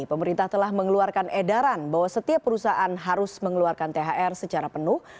pemerintah telah mengeluarkan edaran bahwa setiap perusahaan harus mengeluarkan thr secara penuh